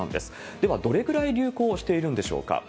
では、どれぐらい流行しているんでしょうか。